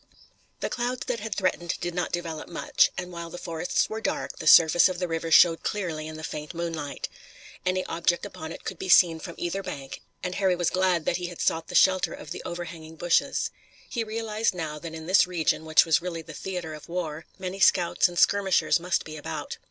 The clouds that had threatened did not develop much, and while the forests were dark, the surface of the river showed clearly in the faint moonlight. Any object upon it could be seen from either bank, and Harry was glad that he had sought the shelter of the overhanging bushes. He realized now that in this region, which was really the theater of war, many scouts and skirmishers must be about.